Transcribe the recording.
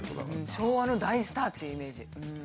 昭和の大スターっていうイメージ。